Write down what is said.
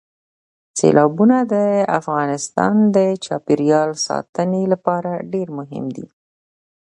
سیلابونه د افغانستان د چاپیریال ساتنې لپاره ډېر مهم دي.